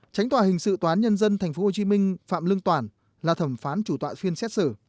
tránh tòa hình sự tòa án nhân dân tp hcm phạm lương toản là thẩm phán chủ tọa phiên xét xử